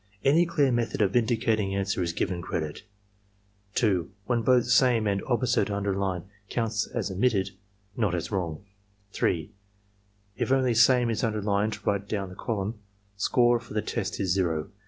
Any clear method of indicating answer is given credit. 2. When both "Same and "Opposite" are underlined, counts as omittedf not as wrong. 3. If only "Same" is underlined right down the column, score for the test is zero.